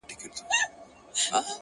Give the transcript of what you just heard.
د حوصلې راته غوښتنه كوي!!